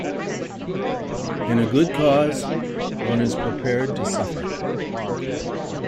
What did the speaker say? In a good cause one is prepared to suffer.